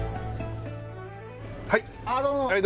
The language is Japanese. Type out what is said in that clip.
はい。